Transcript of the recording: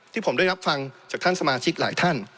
ที่ผมได้รับฟังจากท่านสมาชิกหลายท่าน